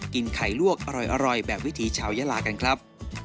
กินไข่ลวกอร่อยแบบวิถีชาวยาลากันครับ